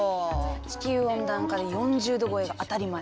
地球温暖化で４０℃超えが当たり前。